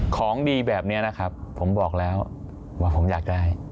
ของดีแบบนี้นะครับผมบอกแล้วว่าผมอยากได้